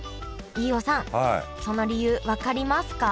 飯尾さんその理由分かりますか？